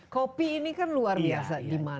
kopi ini kan luar biasa